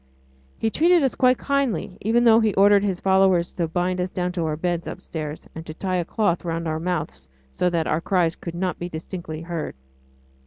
He treated us quite kindly, even though he ordered his followers to bind us down to our bed upstairs, and to tie a cloth round our mouths so that our cries could not be distinctly heard.